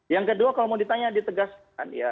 yang kedua kalau mau ditanya ditegaskan ya